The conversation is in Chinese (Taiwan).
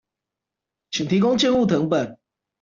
請提供建物謄本